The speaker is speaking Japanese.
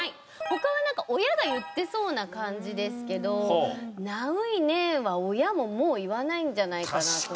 他はなんか親が言ってそうな感じですけど「ナウいね」は親ももう言わないんじゃないかなと。